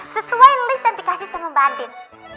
sesuai list yang dikasih sama mbak andien